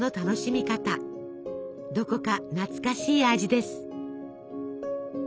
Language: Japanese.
どこか懐かしい味です。